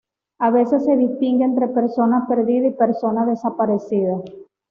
A veces, se distingue entre persona perdida y persona desaparecida.